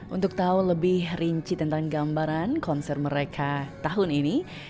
untuk tahu lebih rinci tentang gambaran konser mereka tahun ini